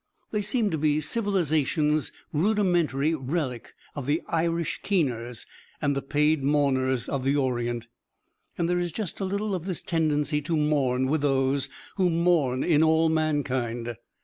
They seem to be civilization's rudimentary relic of the Irish keeners and the paid mourners of the Orient. And there is just a little of this tendency to mourn with those who mourn in all mankind.